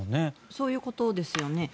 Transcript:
そういうことですよね